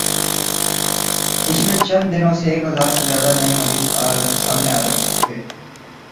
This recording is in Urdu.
پچھلے چند دنو ں سے ایک ہزار سے زیادہ نئے مریض سامنے آرہے تھے